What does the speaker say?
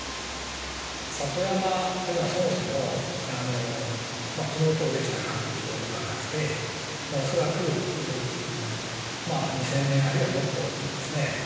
里山というのはそもそも昨日今日出来た環境ではなくて恐らく２，０００年あるいはもっとですね。